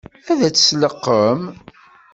Ad tt-tleqqem?